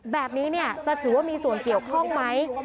แบบนี้จะถือว่ามีส่วนเกี่ยวข้องไหม